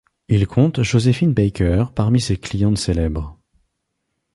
Il compte Joséphine Baker parmi ses clientes célèbres.